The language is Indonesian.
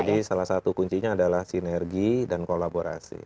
jadi salah satu kuncinya adalah sinergi dan kolaborasi